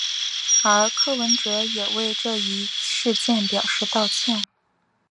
而柯文哲也为这一事件表示道歉。